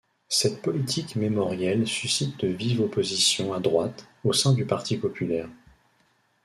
Cette politique mémorielle suscite de vives oppositions à droite, au sein du Parti Populaire.